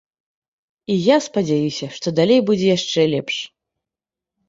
І я спадзяюся, што далей будзе яшчэ лепш.